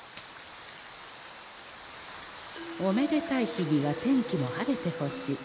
「おめでたい日には天気も晴れてほしい。